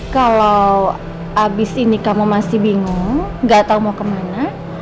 kalau habis ini kamu masih bingung nggak tahu mau kemana